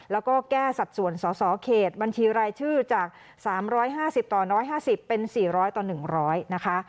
แล้วก็แก้สัดส่วนสสเขตบัญชีรายชื่อจาก๓๕๐ต่อ๑๕๐เป็น๔๐๐ต่อ๑๐๐นะคะ